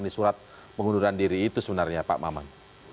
di surat pengunduran diri itu sebenarnya pak maman